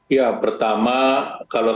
ya pertama kalau kita lihat